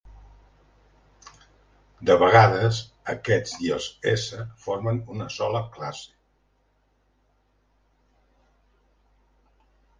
De vegades, aquests i els s formen una sola classe.